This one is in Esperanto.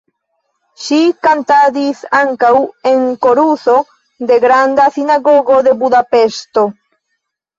Ŝi kantadis ankaŭ en koruso de Granda Sinagogo de Budapeŝto.